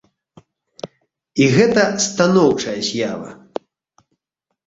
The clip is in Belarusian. І гэта станоўчая з'ява.